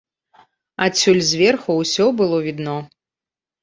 Адсюль зверху ўсё было відно.